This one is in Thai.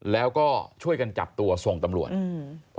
แล้วก็ช่วยกันจับตัวส่งตำรวจอืม